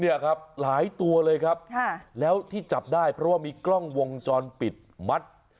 เนี่ยครับหลายตัวเลยครับแล้วที่จับได้เพราะว่ามีกล้องวงจรปิดมัด